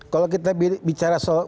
kalau kita bicara soal